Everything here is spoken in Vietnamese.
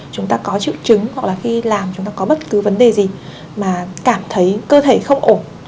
chúng ta có triệu chứng hoặc là khi làm chúng ta có bất cứ vấn đề gì mà cảm thấy cơ thể không ổn